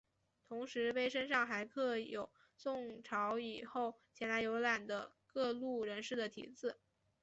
同时碑身上还刻有宋朝以后前来游览的各路人士的题字。